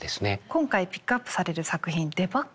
今回ピックアップされる作品「デバッガー」。